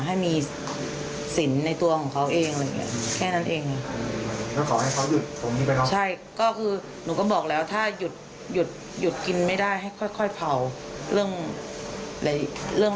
ให้มีสินในตัวของเขาเอง